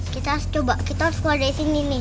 kita harus coba kita harus keluar dari sini nih